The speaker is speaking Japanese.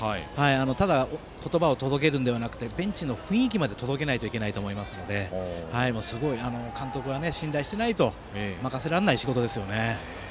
ただ、言葉を届けるのではなくてベンチの雰囲気まで届けないといけないので監督が信頼していないと任せられない仕事です。